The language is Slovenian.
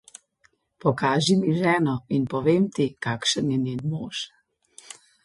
Pokaži mi ženo, in povem ti, kakšen je njen mož.